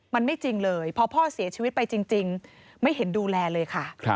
มันไม่จริงเลยพอพ่อเสียชีวิตไปจริงไม่เห็นดูแลเลยค่ะ